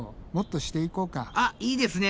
あっいいですね。